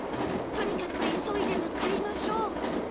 とにかく急いで向かいましょう